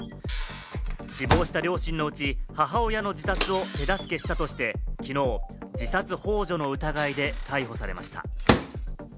死亡した両親のうち、母親の自殺を手助けしたとして、きのう自殺ほう助の疑いで逮捕されました。